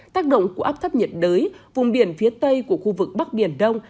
tác động của áp thấp nhiệt đới vùng biển phía tây của khu vực bắc biển đông